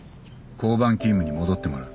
交番勤務に戻ってもらう。